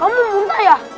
kamu muntah ya